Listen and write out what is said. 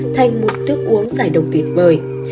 thành một thức uống giải độc tuyệt vời